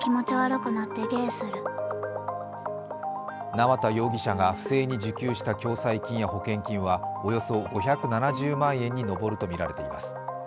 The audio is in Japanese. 縄田容疑者が不正に受給した共済金や保険金はおよそ５７０万円に上るとみられています。